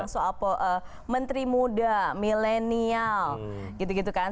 soal menteri muda milenial gitu gitu kan